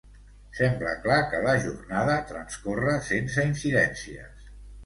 Sembla clar que la jornada transcorre sense incidències.